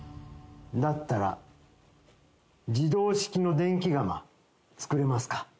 だったら、自動式の電気釜、作れますか？